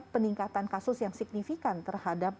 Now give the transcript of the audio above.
peningkatan kasus yang signifikan terhadap